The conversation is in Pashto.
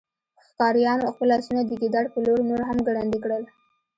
ښکاریانو خپل آسونه د ګیدړ په لور نور هم ګړندي کړل